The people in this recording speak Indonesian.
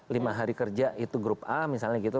lima hari kerja itu grup a misalnya gitu